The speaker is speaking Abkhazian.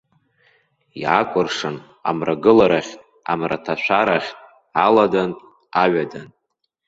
Иаакәыршан, амрагыларахьтә, амраҭашәарахьтә, аладантә, аҩадантә.